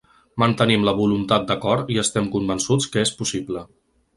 Mantenim la voluntat d’acord i estem convençuts que és possible.